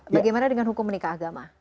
bagaimana dengan hukum menikah agama